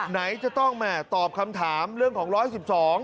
ไหนจะต้องมาตอบคำถามเรื่องของ๑๑๒